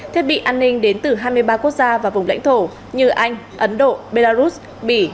thiết bị an ninh đến từ hai mươi ba quốc gia và vùng lãnh thổ như anh ấn độ belarus bỉ